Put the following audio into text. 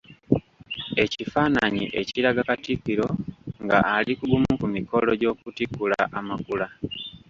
Ekifaananyi ekiraga Katikkiro nga ali ku gumu ku mikolo gy’okutikkula amakula.